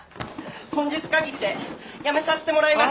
今月限りで辞めさせてもらいます！